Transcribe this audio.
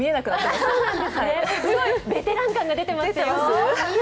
すごいベテラン感が出てますよ。